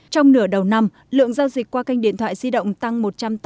trong nửa đầu năm lượng giao dịch qua kênh điện thoại di động tăng một trăm tám mươi